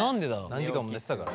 何時間も寝てたから。